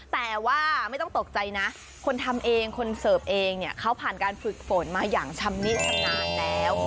แต่ว่าไม่ต้องตกใจนะคนทำเองคนเสิร์ฟเองเนี่ยเขาผ่านการฝึกฝนมาอย่างชำนิชำนาญแล้ว